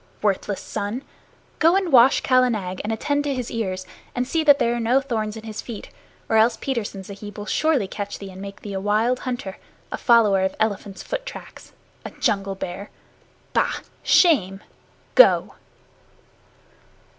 Worthless son! Go and wash Kala Nag and attend to his ears, and see that there are no thorns in his feet. Or else Petersen Sahib will surely catch thee and make thee a wild hunter a follower of elephant's foot tracks, a jungle bear. Bah! Shame! Go!"